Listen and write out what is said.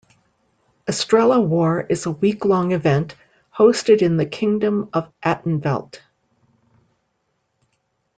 Estrella War is a week-long event hosted in the Kingdom of Atenveldt.